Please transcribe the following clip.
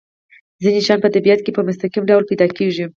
ځینې شیان په طبیعت کې په مستقیم ډول پیدا کیږي.